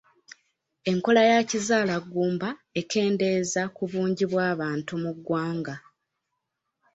Enkola ya kizaalaggumba ekendeeza ku bungi bw'abantu mu ggwanga.